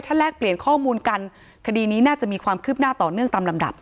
แลกเปลี่ยนข้อมูลกันคดีนี้น่าจะมีความคืบหน้าต่อเนื่องตามลำดับ